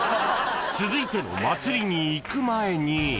［続いての祭りに行く前に］